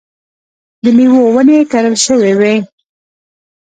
د مېوو ونې کرل شوې وې.